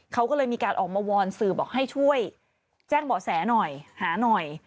เขาก็เลยมีการออกมาวอนสื่อบอกให้ช่วยแจ้งเบาะแสหน่อยหาหน่อย